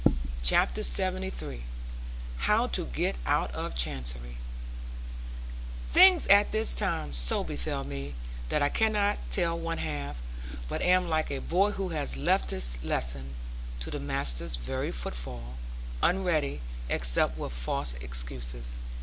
CHAPTER LXXIII HOW TO GET OUT OF CHANCERY Things at this time so befell me, that I cannot tell one half; but am like a boy who has left his lesson (to the master's very footfall) unready, except with false excuses.